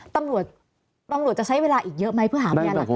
ตำรวจจะใช้เวลาอีกเยอะไหมเพื่อหาวิญญาณหลักฐาน